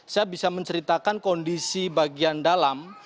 saya bisa menceritakan kondisi bagian dalam